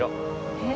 えっ？